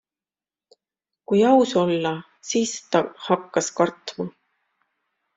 Kui aus olla, siis ta hakkas kartma.